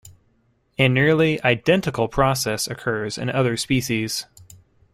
A nearly identical process occurs in other species.